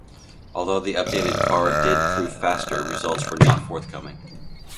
Although the updated car did prove faster, results were not forthcoming.